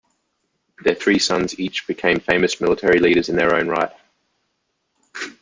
Their three sons each became famous military leaders in their own right.